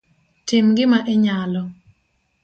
Tim gima inyalo